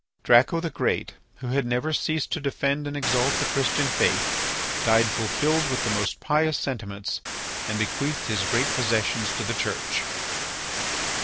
Draco the Great, who had never ceased to defend and exalt the Christian faith, died fulfilled with the most pious sentiments and bequeathed his great possessions to the Church.